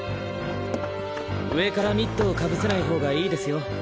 上からミットをかぶせない方がいいですよ。